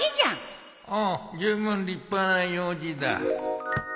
おうじゅうぶん立派な用事だ